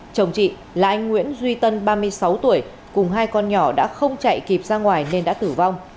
chồng chị là anh nguyễn duy tân ba mươi sáu tuổi cùng hai con nhỏ đã không chạy kịp ra ngoài nên đã tử vong